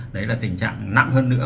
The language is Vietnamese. đấy là tình trạng nặng hơn nữa